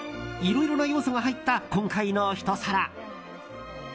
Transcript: いろいろな要素が入った今回のひと皿。